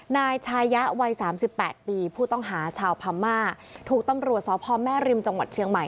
นายชายะวัยสามสิบแปดปีผู้ต้องหาชาวพม่าถูกตำรวจสพแม่ริมจังหวัดเชียงใหม่